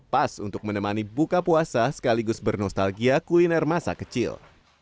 pas untuk menemani buka puasa sekaligus bernostalgia kuliner masa kecil